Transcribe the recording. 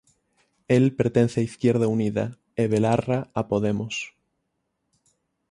El pertence a Izquierda Unida e Belarra a Podemos.